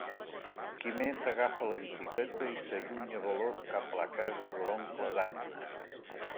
Quimet agafa la bicicleta i s'allunya veloç cap a la casa de l'oncle d'Anna.